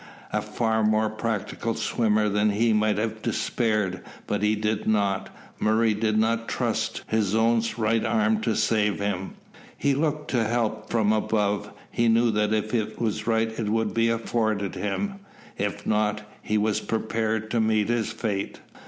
A far more practical swimmer than he might have despaired, but he did not. Murray did not trust to his own right arm to save him. He looked to help from above. He knew if it was right it would be afforded him. If not, he was prepared to meet his fate.